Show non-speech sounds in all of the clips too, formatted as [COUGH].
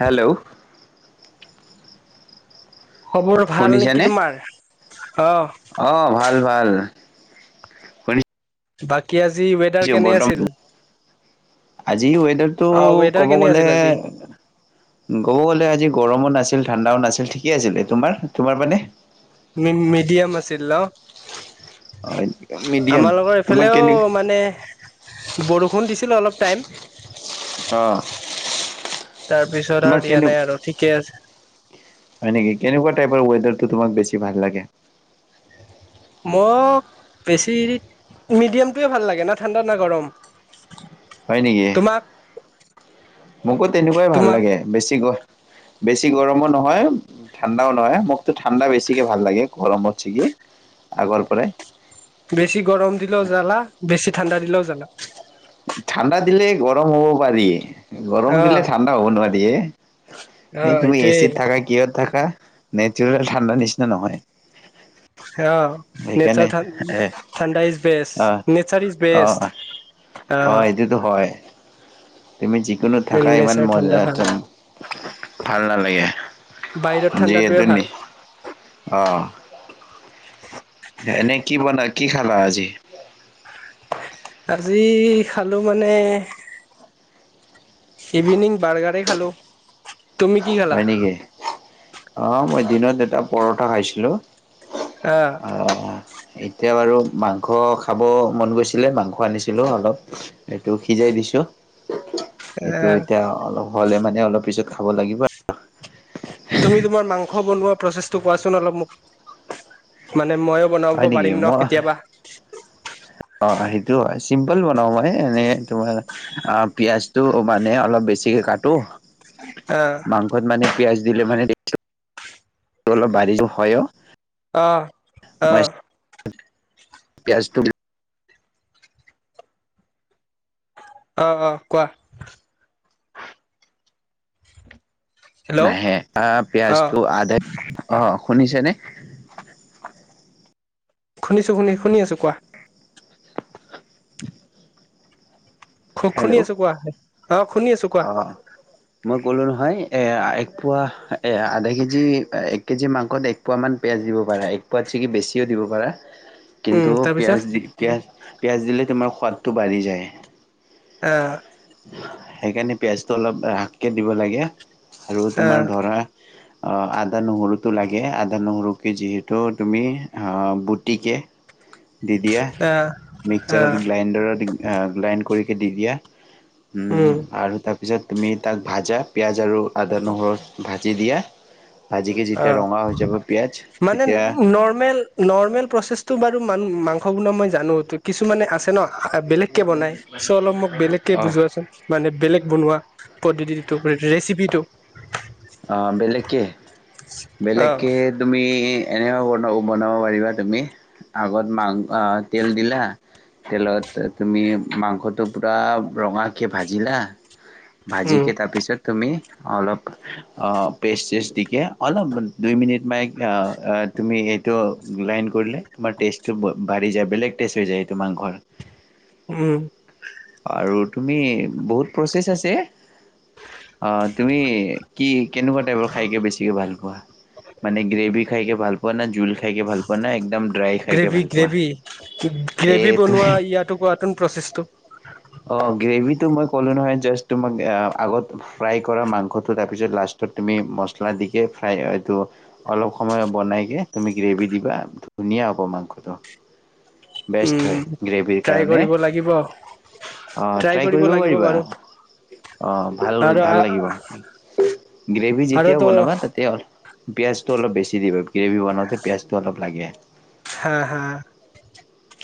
Hello খবোৰ ভাল নেকি শুনিছানে? তোমাৰ অ' আহ ভাল ভাল শুনিছো বাকী আজি ৱেডাৰ কেনে আছিল? বৰ্তমান আজি ৱেডাৰটো অ' ৱেডাৰ কব কেনে গলে আছিল আজি? ক'ব গ'লে আজি গৰমত নাছিল ঠাণ্ডাও নাছিল ঠিকেই আছিল তোমাৰ তোমাৰ মানে মিডিয়ম আছিল ন অ' মিডিয়াম আমাৰ লগৰ তোমাক এইফালেও কেনে মানে বৰষুণ দিছিলোঁ অলপ টাইম । অ' তাৰপিছত তোমাক আৰু দিয়া কেনে নাই আৰু ঠিকে আছে হয় নেকি কেনেকুৱা টাইপৰ ৱেডাৰটো তোমাক বেছি ভাল লাগে মই বেছি মিডিয়ামটোৱে ভাল লাগে না ঠাণ্ডা না গৰম । হয় নেকি মোকো তেনেকুৱাই ভাল তোমাক? লাগে বেছি গৈ বেছি গৰমো নহয় ঠাণ্ডাও নহয় মোকতো ঠাণ্ডা বেছিকে ভাল লাগে গৰমত ছিগি আগৰ পৰাই বেছি গৰম দিলে জ্বালা বেছি ঠাণ্ডা দিলেও জানা ঠাণ্ডা দিলে গৰম হ'ব পাৰি গৰম দিলে অ' ঠাণ্ডা হ'ব নোৱাৰ দি এই অ' তুমি এইটোৱে এচিত থাকা কিয় ত থাকা । নেচাৰেল ঠাণ্ডা নিচিনা নহয় অ নেচ সেইকাৰণে এ ঠাণ্ডা is be a nature is a best. অ এইটোতো হয় । তুমি যিকোনো থাকা ইমান নেচাৰ ঠাণ্ডা মজা ভাল যাম । ভাল নালাগে বাহিৰত ঠাণ্ডাটোৱে ভাল অঁ এনেই কি বনা কি খালা আজি আজি খালো মানে । ইভিনিং বাৰ্গাৰেই খালো । তুমি কি খেলা হয় নেকি । অ মই দিনত এটা পৰঠা খাইছিলো । আহ । এতিয়া বাৰু মাংস খাব মন গৈছিলে মাংস আনিছিলো অলপ এইটো সিজাই দিছো । এ সেইটো এতিয়া অলপ । হ'লে মানে অলপ পিছত খাব লাগিব তুমি তোমাৰ মাংস বনোৱা প্ৰচেছটো কোৱাচোন অলপ মোক মানে ময়ো বনাব হয় নেকি পাৰিম ন মই কেতিয়াবা অ সেইটো হয় চিম্পল বনাও মই এনে তোমাৰ অ পিয়ঁাজটো মানে অলপ বেছিকে কাটোটো। আহ মাংসত মানে পিয়াজ দিলে মানে অলপ বাঢ়ি হয় আহ আহ পিয়ঁাজটো অ অ কোৱা হেল্ল' নাহে অ আহ পিয়াজটো আধা অ শুনিছেনে শুনিছো শুনি শুনি আছো কোৱা খু খু হেল্ল' শুনি অ আছো কোৱা অ শুনি আছো কোৱা মই ক'লো নহয় এ এক পোৱা আধা কেজি এক কেজি মাংসত এক পোৱামান পিঁয়াজ দিব পাৰা এক পোৱাত কি বেছিও দিব পাৰা উম কিন্তু তাৰপিছত পিয়াজ দি পিয়াজ দিলে তোমাৰ সোৱাদটো বাঢ়ি যায় অহ সেইকাৰণে পিয়াজটো অলপ কে দিব লাগে আৰু আহ তোমাৰ ধৰা আদা নহৰুতো লাগে আদা নহৰুকে যিহেতু তুমি বুটিকে দি দিয়া আহ আহ মিক্সাৰত গ্ৰাইণ্ডাৰত গ্ৰাইণ্ড কৰি দি দিয়া উম আৰু তাক পিছত তুমি তাক ভাজা পিঁয়াজ আৰু আদা নহৰু ভাজি দিয়া ভাজিকে অ যেতিয়া ৰঙা হৈ যাব পিঁয়াজ মানে তেতিয়া নৰ্মেল নৰ্মেল প্ৰচছটো বাৰু মাংস বনোৱা মই জানো কিছুমানে আছে ন বেলেগ কে বনাই চ' অলপ মোক বেলেগকে অ বুজোৱাচোন মানে বেলেগ বনোৱা পদ্ধতি ৰেচিপিটো বেলেগকে অ বেলেগকে তুমি এনেকা ধৰন বনাব পাৰিবা তুমি আগত মাং তেল দিলা তেলত তুমি মাংসটো পূৰা ৰঙাকৈ ভাজিলা উম ভাজিকে তাৰ পিছত তুমি অলপ পেষ্ট চেষ্ট দিকে অলপ দুই মিনিট মাই তুমি এইটো লাইন কৰিলে তোমাৰ টেষ্টটো বাঢ়ি যায় বেলেগ টেষ্ট হৈ যায় এইটো মাংসৰ উম আৰু তুমি বহুত প্ৰচেচ অ তুমি কি কেনেকুৱা টাইপৰ খাই বেছিকে ভাল পোৱা মানে গেভি খাইকে ভাল পোৱা না জোল খাই গ্ৰেভি পোৱা গ্ৰেভি এ গ্ৰেভি তুমি বনোৱা ইয়াতো কোৱাটোন প্ৰচেছটো অ গ্ৰেভিটো মই ক'লোঁ নহয় জাষ্ট তোমাক আগত ফ্ৰাই কৰা মাংসটো তাৰপিছত লাষ্টত মছলা দিটো অলপ সময় বনাইকে তুমি গ্ৰেভি দিবা ধুনীয়া হ'ব মাংসটো বেষ্ট উম হয় গ্ৰেভিৰ ট্ৰাই কাৰণে কৰিব লাগিব অ ট্ৰাই কৰিব পাৰিবা অ আৰু ভ ভাল লাগিব গ্ৰেভি যেতিয়াও আৰুতো বনাবা তাতে পিয়াঁজটো অলপ বেছি দিব গ্ৰেভি বনাওঁতে পিয়াঁজটো অলপ লাগে হা হা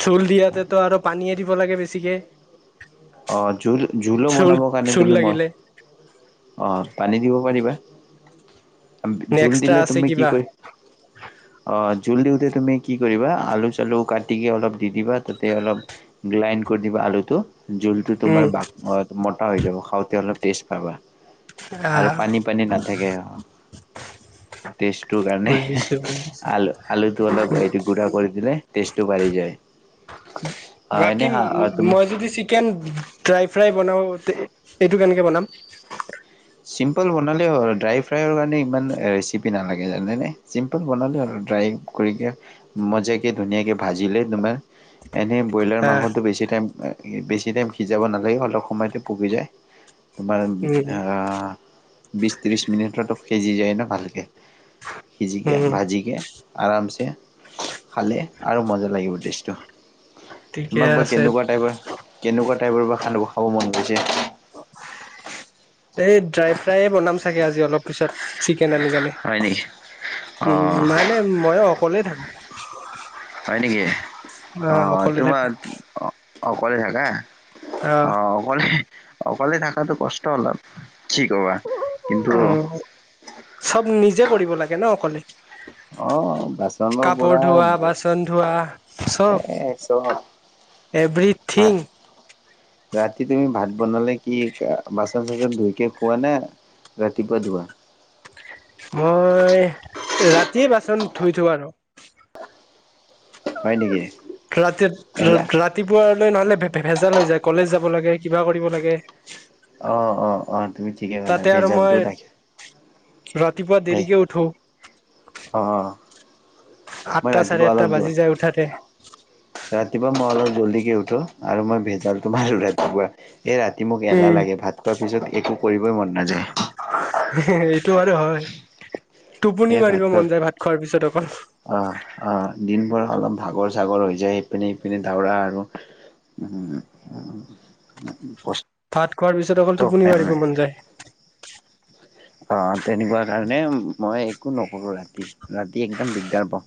জোল দিয়াতে আৰু পানীয়ে দিব লাগে বেছি থিকে অঁ জোলো জোলো বনাবৰ কাৰণে চোল তুমি মন লাগিলে অঁ পানী দিব পাৰিবা নে জোল এক্সট্ৰা দিলে আছে তুমি কি কিবা কৰি অ জোল দিওঁতে তুমি কি কৰিবা আলু চালু কাটিকৈ অলপ দি দিবা তাতে অলপ গ্ৰাইণ্ড কৰি দিবা আলুটো জলটো তোমাৰ উম ম হৈ যাব খাওঁতে অলপ টেষ্ট পাবা আৰু আহ পানী পানী নাথাকে ষ্টটোৰ কাৰণে বুজিছো বুজিছো আলু আলুটো অলপ গু়া কৰি দিলে ষ্টেটো বাঢ়ি যায় অ বাকী এনে তুমি মই যদি চিকেন ড্ৰাই ফ্ৰাই বনাতে এইটো কেনেকে বনাম চিম্পুল বনালে ড্ৰাই ফ্ৰাইৰ কাৰণে ইমান ৰেচিপি নালাগে জানেনে চিম্পল বনালে আৰু ড্ৰাই কৰিক মজাকে ধুনীয়াকৈ ভাজিলে তমাৰ এনেই ব্ৰইলাৰ হা মাংসটো বেছি টাইম বেছি টাইম সিজাব নালাগে অলপ সময়তে পুগি যায় বাৰ উম বিছ ত্ৰিছ মিনিটতো সিজি যায় ন ভালকৈ সিজিকে উম ভাজিকে আৰামছে খালে আৰু মজা লাগিব ডেছটো ঠিকে তোমাক বা আছে কেনেকুৱা টাইপৰ কেনেকুৱা টাইপৰ বা খান্ খাব মন গ বজি এই ড্ৰাই ফ্ৰাই বনাম চাগে আজি অলপ পিছত চ কেন কেণে হয় নেকি অ উম মে ময়ো অকলেই থাকো হয় নেকি অ আহ অকলে থাকো তোমাৰ অ কলে থাকা আহ অ কলে অকলে থাকাতো কষ্ট অলপ কি কবা কিন্তু নি যে কৰিব লাগে ন অকলে অ বাচনৰ পৰা কাপোৰ ধোৱা বাচন ধোৱা চব ভাত এভৰিথিং ৰাতি তুমি ভাত বনালে কি বাচন চচন ধুইকে খোৱা নে ৰাতিপুৱা ধোৱা মই ৰাতিয়ে বাচন ধুই থো আৰু হয় নেকি ৰাতি এলা ৰাতিপুৱালৈ নহলে ভেজালৈ যায় কলেজ যাব লাগে কিবা কৰিব লাগে অ অ অ তুমি ঠিকে ক'লো তাতে আৰু মই বেজালটোও ৰাাকে ৰাতিপুৱা বে দেৰিকে উঠো অঁ আঠটা চাৰে আঠটা বাজি যায় উঠতে জল্দি কেউঠো আৰু মই ভেজাল তোমাৰ ৰাতিপুৱা এই ৰাতি মোক এলাহ উম লাগে ভাত খোৱাৰ পিছত একো কৰিবই মন নাযায় এইটো বাৰু হয় [UNINTELLIGIBLE] টোপনি সেই ভাত মাৰিব খোৱা মন যায় ভাত খোৱাৰ পিছত অকল অ', অ', দিনভৰ অলপ ভাগৰ চাগৰ হৈ যায় ইপিনে ইপিনে দৌৰা আৰু ভাত খোৱাৰ পিছত অকল টোপনি পাই মাৰিব মন যায় আহ তেনেকুৱা কাৰণে মই একো নকৰোঁ ৰাতি ৰাতি একদম দিগদাৰ পাওঁ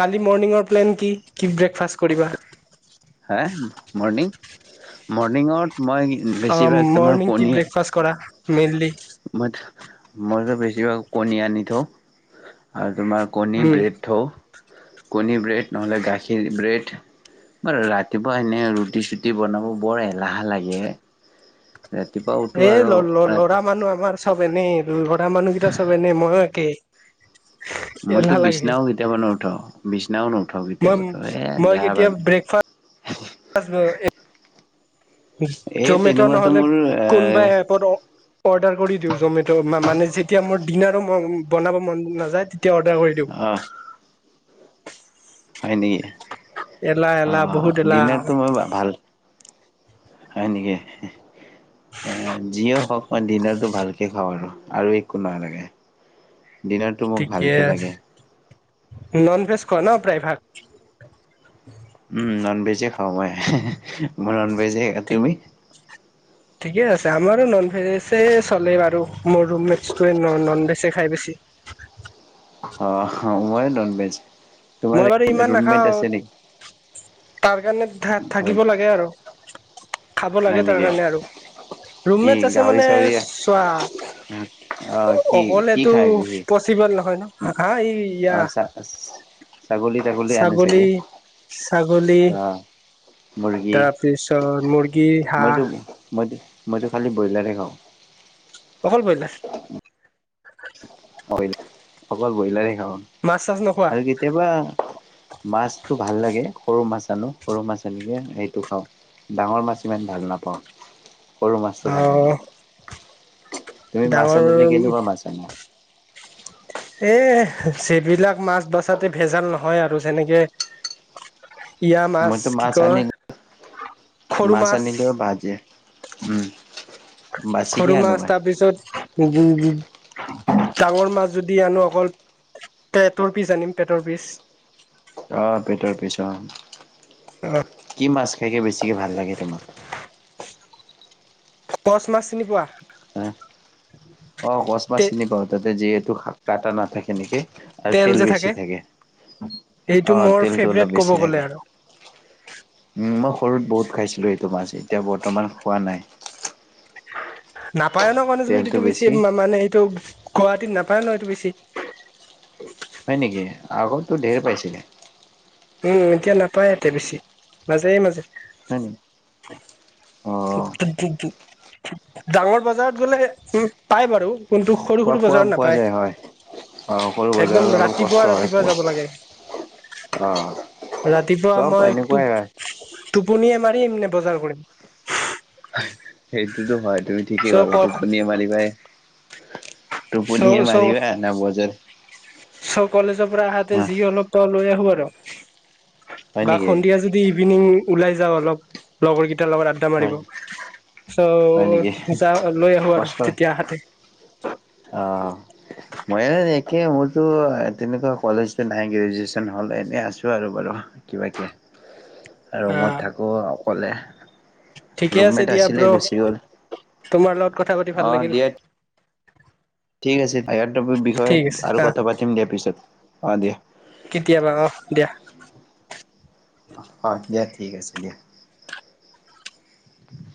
কালি মৰ্ণিঙৰ প্লেন কি ব্ৰেকফাষ্ট কৰিবা সেই মৰ্নিং মৰ্ণিঙত মই অ বেছিভাগ তোমাৰ মৰ্ণিং কি কণী ব্ৰেকফাষ্ট কৰা মেইনলি মই মইতো বেছিভাগ কণী আনি থওঁ আৰু তোমাৰ কনি উম ব্ৰেড থাও কণী ব্ৰেড নহ'লে গাখীৰ ব্ৰেড বাৰু ৰাতিপুৱা এনেই ৰুটি চুটি বনাব বৰ এলাহ লাগে ৰাতিপুৱা উঠো এ আৰু ল ৰাতি ল'ৰা মানুহ আমাৰ চব এনেই লৰা মানুহকেইটা চব এনে মইয়ো একেই মইতো এলাহ লাগে বিচনাও কেতিয়াবা নুঠাও বিছনাওন মই মই এতিয়া ব্ৰেকফাষ্ট এই জমেট' তেনেকুৱাতো নহলে মোৰ এ কোনবা এপত অৰ্ডাৰ কৰি দিওঁ জমেট মানে যেতিয়া মোৰ ডিনাৰো মন বনাব মন নাযায় তেতিয়া অৰ্ডাৰ কৰি দিওঁ অ হয় নেকি এলাহ এলাহ অঁ বহুত এলাহ ডিনাৰটো মই ভাল হয় নেকি যিয়ও হওক মই ডিনাৰটো ভালকে খাওঁ আৰু আৰু একো নালাগে ডিনাৰটো মোক ঠিকে ভালকৈ আছে লাগে নন ভেজ খোৱান প্ৰায় ভাগ উম নন ভেজে খাওঁ মই ননভেজে ঠিক তুমি ঠিকে আছে আমাৰো নন ভেজছে চলেই বাৰু মোৰ ৰুমমেটে নন ভেজ খাই বেছি আহ্ ময়ো নন ভেজ তোমাৰ মই বাৰু ইমান ৰুমমেট নাখাও আছে তাৰ তাৰ কাৰণে নেকি থাকিব লাগে আৰু খাব হয় লাগে তাৰ নেকি? কাৰণে আৰু কি ৰুমমেট আছে গাহৰি মানে চাহৰি চোৱা আহ অকলেটো পচিবল নহয় ন হা ই ইয়া আছা ছাগলী ছাগলী আহ মুৰ্গী তাৰপিছত মূৰ্গী মইতো হাঁহ মইতো মইতো খালী ব্ৰইলাৰে খাওঁ অকল ব্ৰ‌ইলা [UNINTELLIGIBLE] অকল ব্ৰইলাৰে মাছ চাছ নোখোৱা অ আৰু কেতিয়াবা মাছ টো ভাল লাগে সৰু মাছ আনো সৰু মাছ আনিলে সেইটো খাওঁ ডাঙৰ মাছ ইমান ভাল নাপাওঁ সৰু মাছটো ভাল থাকে আহ তুমি মাছ ডাঙৰ আনিলে কেনেকুৱা মাছ আনা এ চেবিলাক মাছ বছাতো ভেজাল নহয় আৰু যেনেকে ইয়া মাছ মইতো কি কয় আনি সৰু মাছ আনিলেও ভাজে উম বাচিকে সৰু আনো মাছ মই তাৰ পিছত ডাঙৰ মাছ যদি আনো অকল পেটৰ পিচ আনিম পেটৰ পিচ আহ পেটৰ পিছ অহ কি মাছ খাইকৈ বেছিকৈ ভাল লাগে তোমাক পচ মাছ চিনি পোৱা হা অ কছ মাছ তে চিনিাওঁ তাতে যিহেতু এইটো শাকা এটা নাথাকেনেকে আৰু তেল বেছি থাকে সেইটো অ মোৰ তেলটো অলপ ফেভৰেট ক'ব বেছি গ'লে থাকে আৰু উম মই সৰুত বহুত খাইছিলো এইটো মাছ এতিয়া বৰ্তমান খোৱা নাই নাপ পায়ানক গণেশগুৰিতটো বেছি মানে এইটো ণ্ডৱাহাতিত নাপায় ন এইটো বেছি হয় নেকি আগততো ধেৰ পাইছিলে উম এতিয়া নাপায় ইযাতে বেছি মাজে মাজে হয় নেকি অ ডাঙৰ বজাৰত গ'লে উ পাই বাৰু কোনটো সৰু পোৱা সৰু পোৱা বজাৰত পোৱা নাপায় যায় হয়। অ সৰু একদম বজাৰত অলপ কষ্ট ৰাতিপুৱা হয় ৰাতিপুৱা পোৱা যাব লাগে অ ৰাতিপুৱা চব মইটো এনেকুৱাই হয়। টোপনিয়ে মাৰি পিম নে বজাৰ কৰিম? সেইটোতো হয় তুমি ঠিকেই চ' ক ভালা টোপনিয়ে মাৰিবাই বি [UNINTELLIGIBLE] টোপনিয়ে মাৰিবা ন বজাৰ চব কলেজৰ পৰা আহাতে হা যি অলপ ত লৈ আহো খবৰ [UNINTELLIGIBLE] হয় বা নেকি সন্ধিয়া যদি ইভিনিং ওলাই যাওঁ অলপ লগৰকেইটাৰ লগত আড্ডা হয় মাৰিব ৷ হয় নেকি? চ যাও লৈ আহো আৰু কষ্টই তেতিয়া হাতে তাকে মোৰতো তেনেকুৱা কলেজ নাই গ্ৰেজুৱেচন হ'ল এনে আছো আৰু বাৰু কিবা কে ৷ ৰু মত আহ থাকোঁ ক'লে ঠিকে আছে দিয়া ব্ৰ তোমাৰ লগত কথা পাতি অ ভাল লাগিল ৷ দিয়া হয় [UNINTELLIGIBLE] ঠিক আছে য়াৰটপ বিষয়ে আৰু আহ কথা পাতিম দিয়াৰ পিছত ৷ অ দিয়া ৷ কেতিয়াবা অ দিয়া ৷ অ দিয়া ঠিক আছে দিয়া ৷